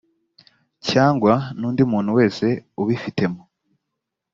cyangwa n undi muntu wese ubifitemo